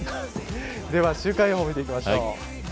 では週間予報見ていきましょう。